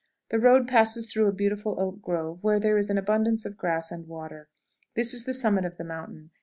The road passes through a beautiful oak grove, where there is an abundance of grass and water. This is the summit of the mountain.